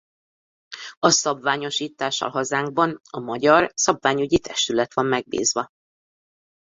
A szabványosítással hazánkban a Magyar Szabványügyi Testület van megbízva.